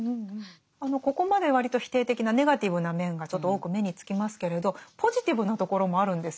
ここまで割と否定的なネガティブな面がちょっと多く目につきますけれどポジティブなところもあるんですよね。